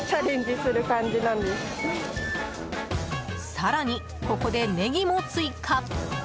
更に、ここでネギも追加。